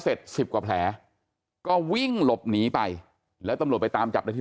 เสร็จสิบกว่าแผลก็วิ่งหลบหนีไปแล้วตำรวจไปตามจับได้ที่